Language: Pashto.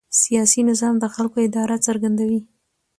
سیاسي نظام د خلکو اراده څرګندوي